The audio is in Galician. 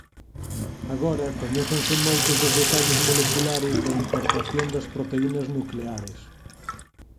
Agora coñécense moitos dos detalles moleculares da importación das proteínas nucleares.